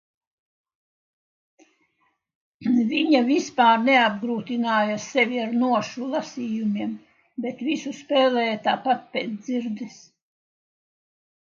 Viņa vispār neapgrūtināja sevi ar nošu lasījumiem, bet visu spēlēja tāpat pēc dzirdes.